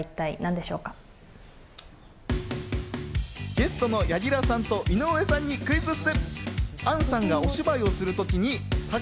ゲストの柳楽さんと井上さんにクイズッス！